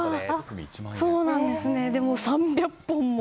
でも３００本も。